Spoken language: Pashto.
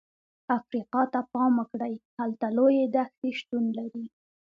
افریقا ته پام وکړئ، هلته لویې دښتې شتون لري.